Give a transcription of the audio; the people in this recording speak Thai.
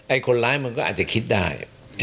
คนร้ายมันก็อาจจะคิดได้